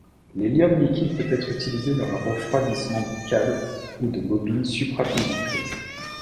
L'hélium liquide peut être utilisé dans le refroidissement de câbles ou de bobines supraconductrices.